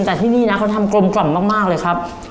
แต่ที่นี่นะเขาทำกลมกล่อมมากเลยครับ